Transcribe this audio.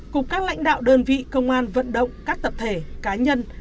cùng các lãnh đạo đơn vị công an vận động các tập thể cá nhân